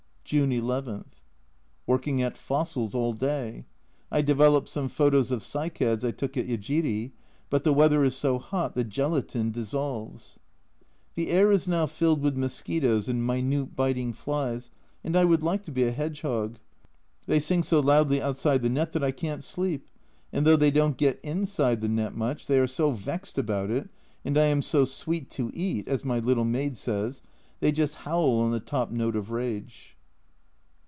June II. Working at fossils all day : I developed some photos of cycads I took at Yejiri, but the weather is so hot the gelatine dissolves ! The air is now filled with mosquitoes and minute biting flies, and I would like to be a hedgehog. They sing so loudly outside the net that I can't sleep, and though they don't get inside the net much they are so vexed about it, and I am "so sweet to eat," as my little maid says, they just howl on the top note of rage.